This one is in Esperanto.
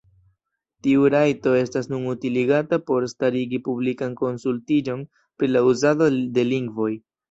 Tiu rajto estas nun utiligata por starigi publikan konsultiĝon pri la uzado de lingvoj.